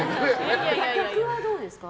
逆はどうですか？